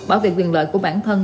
bảo vệ quyền lợi của bản thân